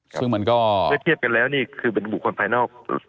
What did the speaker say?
ซึ่งมันก็เมื่อเทียบกันแล้วนี่คือเป็นบุคคลภายนอก